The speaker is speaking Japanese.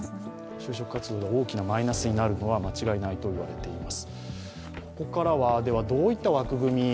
就職活動に大きなマイナスになるのは間違いないといわれています。